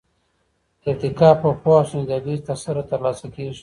ارتقا په پوهه او سنجيدګۍ سره ترلاسه کېږي.